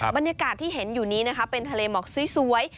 บรรยากาศที่เห็นอยู่นี้นะคะเป็นทะเลหมอกสวย